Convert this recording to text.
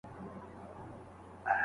مثبت معلومات مو فکر لوړوي.